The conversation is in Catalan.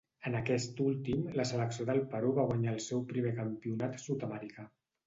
En aquest últim, la selecció del Perú va guanyar el seu primer Campionat Sud-americà.